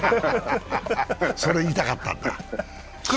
それを言いたかったんだ。